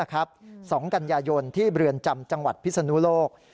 ๒กันยายนที่เรือนจำจังหวัดพิศนุโลก